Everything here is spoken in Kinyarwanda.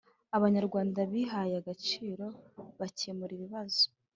abanyarwanda bihaye agaciro bakemura ibibazo